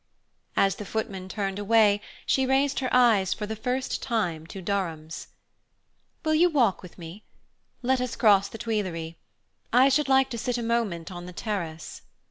As the footman turned away, she raised her eyes for the first time to Durham's. "Will you walk with me? Let us cross the Tuileries. I should like to sit a moment on the terrace."